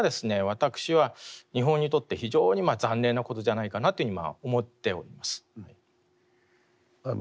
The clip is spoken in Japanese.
私は日本にとって非常に残念なことじゃないかなというふうに今思っております。